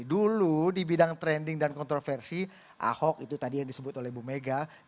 dulu di bidang trending dan kontroversi ahok itu tadi yang disebut oleh bu mega